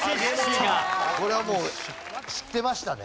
これはもう知ってましたね。